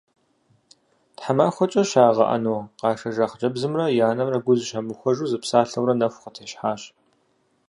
Тхьэмахуэкӏэ щагъэӏэну къашэжа хъыджэбзымрэ и анэмрэ гу зыщамыхуэжу зэпсалъэурэ нэху къатещхьащ.